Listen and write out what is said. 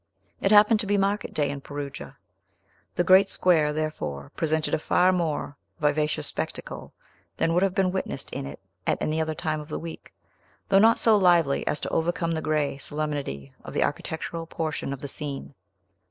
It happened to be market day in Perugia. The great square, therefore, presented a far more vivacious spectacle than would have been witnessed in it at any other time of the week, though not so lively as to overcome the gray solemnity of the architectural portion of the scene.